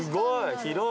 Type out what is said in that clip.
広い！